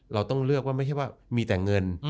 เราต้องเลือกว่าไม่ใช่ว่ามีแต่เงิน